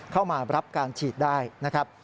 เข้ามารับการฉีดได้นะครับ